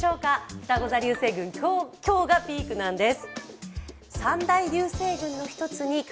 ふたご座流星群、今日がピークなんです。